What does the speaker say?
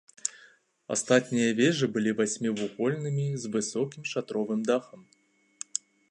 Астатнія вежы былі васьмівугольнымі, з высокім шатровым дахам.